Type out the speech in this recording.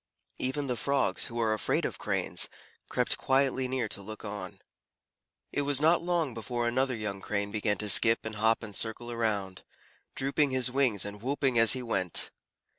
Even the Frogs, who are afraid of Cranes, crept quietly near to look on. It was not long before another young Crane began to skip and hop and circle around, drooping his wings and whooping as he went.